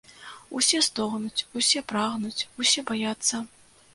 Усе стогнуць, усе прагнуць, усе баяцца.